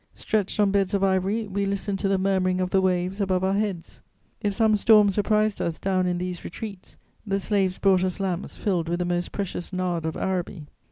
Stretched on beds of ivory, we listened to the murmuring of the waves above our heads. If some storm surprised us down in these retreats, the slaves brought us lamps filled with the most precious nard of Araby.